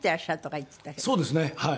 そうですねはい。